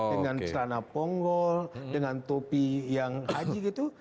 dengan celana ponggol dengan topi yang haji gitu